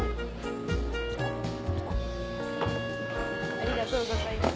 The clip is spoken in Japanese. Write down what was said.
ありがとうございます。